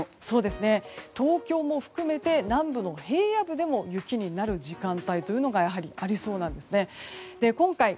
東京も含めて南部の平野部でも雪になる時間帯というのがありそうなんですね。